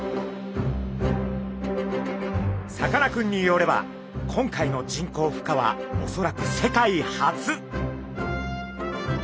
さかなクンによれば今回の人工ふ化はおそらく世界初！